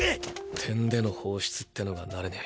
点での放出ってのが慣れねェ。